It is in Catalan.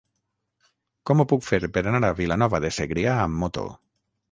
Com ho puc fer per anar a Vilanova de Segrià amb moto?